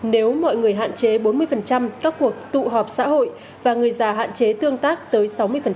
nếu mọi người hạn chế bốn mươi các cuộc tụ họp xã hội và người già hạn chế tương tác tới sáu mươi